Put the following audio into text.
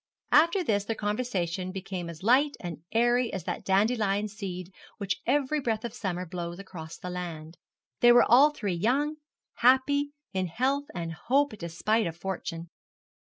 After this their conversation became as light and airy as that dandelion seed which every breath of summer blows across the land. They were all three young, happy in health and hope despite of fortune.